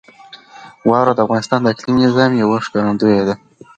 واوره د افغانستان د اقلیمي نظام یوه ښکارندوی ده.